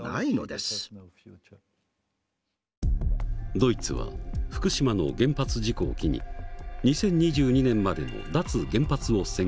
ドイツは福島の原発事故を機に２０２２年までの脱原発を宣言。